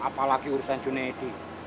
apalagi urusan junedi